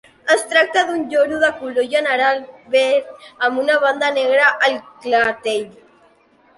Es tracta d'un lloro de color general verd amb una banda negra al clatell.